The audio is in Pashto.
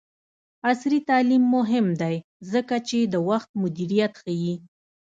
عصري تعلیم مهم دی ځکه چې د وخت مدیریت ښيي.